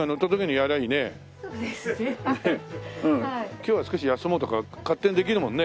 今日は少し休もうとか勝手にできるもんね。